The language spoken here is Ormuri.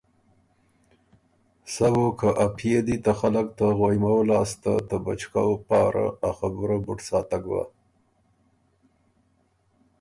سۀ بُو که ا پئے دی بو ته خلق غوئمؤ لاسته ته بچکؤ پاره ا خبُره بُډ ساتک بۀ۔